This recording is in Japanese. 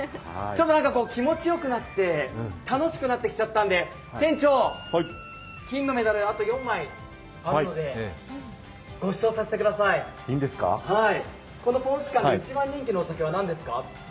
ちょっと気持ちよくなって楽しくなってきちゃったんで、店長、金のメダル、あと４枚あるのですがこのぽんしゅ館で一番人気のお酒は何ですか？